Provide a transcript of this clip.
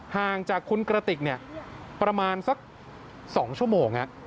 ห่างจากคุณกระติกประมาณสัก๒ชั่วโมง